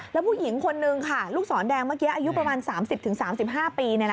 แล้วผู้หญิงคนนึงค่ะลูกศรแดงเมื่อกี้อายุประมาณ๓๐๓๕ปี